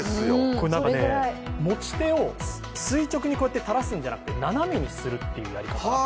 これ、持ち手を垂直に垂らすんじゃなくて斜めにするというやり方。